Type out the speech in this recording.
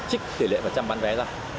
trích tỷ lệ và trăm bán vé ra